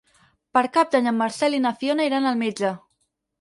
Per Cap d'Any en Marcel i na Fiona iran al metge.